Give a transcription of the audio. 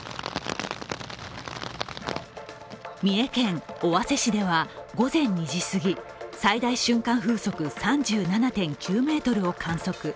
三重県、尾鷲市では午前２時すぎ最大瞬間風速３７．９メートルを観測。